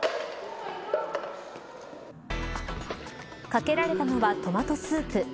かけられたのはトマトスープ。